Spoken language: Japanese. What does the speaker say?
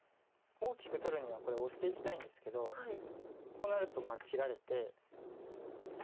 大きく取るにはこれオシていきたいんですけどこうなると切られて。